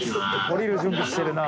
降りる準備してるな。